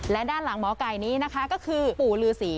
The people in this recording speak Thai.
และด้านหลังหมอไก่นี้นะคะก็คือปู่ลือศรี